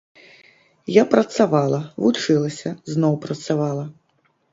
Я працавала, вучылася, зноў працавала.